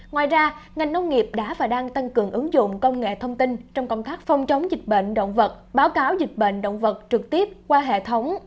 ngoài ra ngành nông nghiệp đã và đang tăng cường ứng dụng công nghệ thông tin trong công tác phòng chống dịch bệnh động vật báo cáo dịch bệnh động vật trực tiếp qua hệ thống